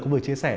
cũng vừa chia sẻ